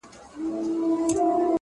چا یې نه سوای د قدرت سیالي کولای!.